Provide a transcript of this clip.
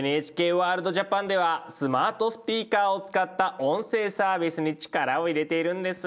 「ＮＨＫワールドＪＡＰＡＮ」ではスマートスピーカーを使った音声サービスに力を入れているんです。